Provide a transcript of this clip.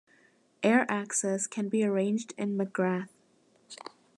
Air access can be arranged in McGrath.